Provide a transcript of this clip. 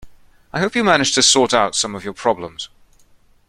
I hope you managed to sort out some of your problems.